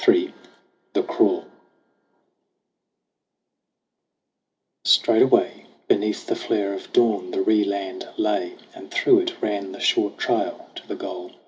Ill THE CRAWL STRAIGHT away Beneath the flare of dawn, the Ree land lay, And through it ran the short trail to the goal.